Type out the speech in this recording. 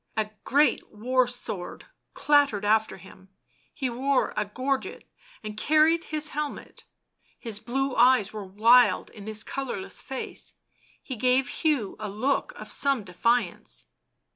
A great war sword clattered after him, he wore a gorget and carried his helmet; his blue eyes were wild in his colourless face; he gave Hugh a look of some defiance.